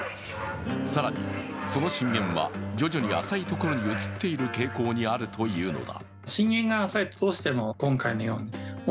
更にその震源は徐々に浅い所に移っている傾向にあるというのだ。